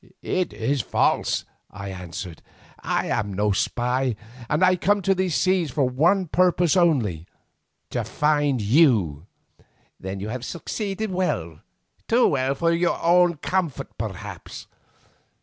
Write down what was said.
"It is false," I answered; "I am no spy, and I am come to these seas for one purpose only—to find you." "Then you have succeeded well, too well for your own comfort, perhaps.